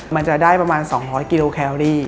มันจะได้ประมาณ๒๐๐กิโลแคลอรี่